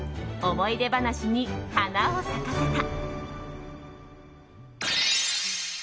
思い出話に花を咲かせた。